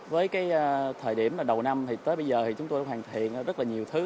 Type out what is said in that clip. với thời điểm đầu năm tới bây giờ chúng tôi đã hoàn thiện rất nhiều thứ